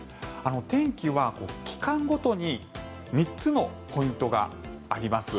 天気は、期間ごとに３つのポイントがあります。